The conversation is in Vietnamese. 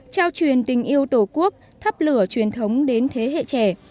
trao truyền tình yêu tổ quốc thắp lửa truyền thống đến thế hệ trẻ